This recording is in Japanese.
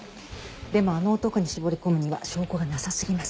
でもあの男に絞り込むには証拠がなさすぎます。